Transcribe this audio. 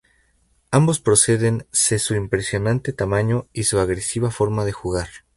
Ambos proceden se su impresionante tamaño y su agresiva forma de jugar.